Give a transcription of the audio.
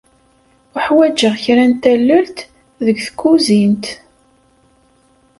Uḥwaǧeɣ kra n tallelt deg tkuzint.